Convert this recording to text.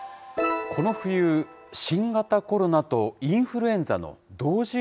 この冬、新型コロナとインフルエンザの同時